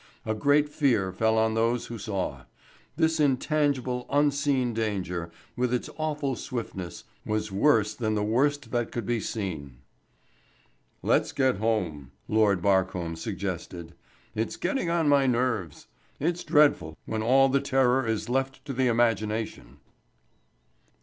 A great fear fell on those who saw. This intangible, unseen danger, with its awful swiftness, was worse than the worst that could be seen. "Let's get home," Lord Barcombe suggested. "It's getting on my nerves. It's dreadful when all the terror is left to the imagination."